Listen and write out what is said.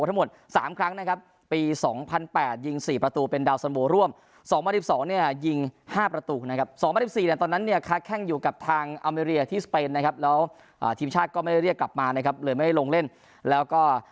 ทุกคนพยายามเต็มที่แล้ว